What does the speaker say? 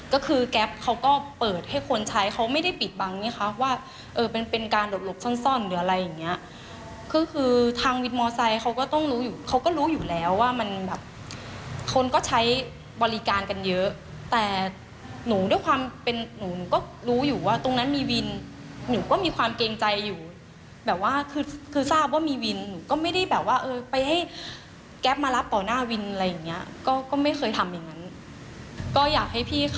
ก็คือกรับเขาก็เปิดให้คนใช้เขาไม่ได้ปิดบังไงครับว่าเป็นเป็นการหลบหลบซ่อนหรืออะไรอย่างนี้คือคือทางวิทย์มอเซอร์เขาก็ต้องรู้อยู่เขาก็รู้อยู่แล้วว่ามันแบบคนก็ใช้บริการกันเยอะแต่หนูด้วยความเป็นหนูก็รู้อยู่ว่าตรงนั้นมีวินหนูก็มีความเกรงใจอยู่แบบว่าคือคือทราบว่ามีวินก็ไม่ได้แบบว่าเออไปให้